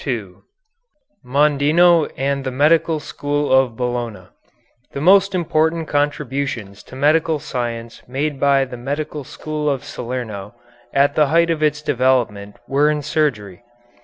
IX MONDINO AND THE MEDICAL SCHOOL OF BOLOGNA The most important contributions to medical science made by the Medical School of Salerno at the height of its development were in surgery.